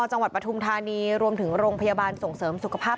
ปฐุมธานีรวมถึงโรงพยาบาลส่งเสริมสุขภาพ